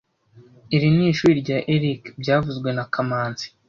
Iri ni ishuri rya Eric byavuzwe na kamanzi